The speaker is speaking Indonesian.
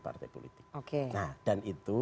partai politik oke nah dan itu